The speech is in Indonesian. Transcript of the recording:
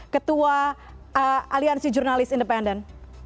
ketua aliansi jurnalis independen